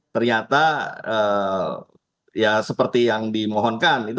ternyata ya seperti yang dimohonkan